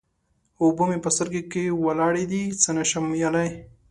اوبه مې په سترګو کې ولاړې دې؛ څه نه شم ويلای.